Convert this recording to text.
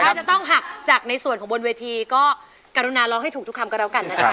ถ้าจะต้องหักจากในส่วนของบนเวทีก็กรุณาร้องให้ถูกทุกคำก็แล้วกันนะคะ